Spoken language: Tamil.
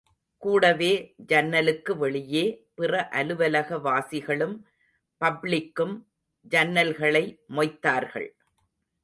கூடவே, ஜன்னலுக்கு வெளியே, பிற அலுவலக வாசிகளும், பப்ளிக்கும் ஜன்னல்களை மொய்த்தார்கள்.